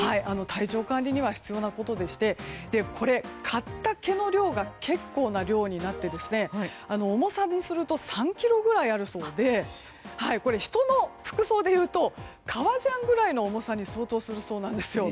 体調管理には必要なことでして刈った毛の量が結構な量になって重さにすると３ｋｇぐらいあるそうで人の服装でいうと革ジャンぐらいの重さに相当するそうなんですよ。